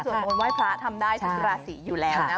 การสวดมนต์ไว้พระทำได้ราศีอยู่แล้วนะ